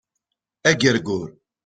Agergur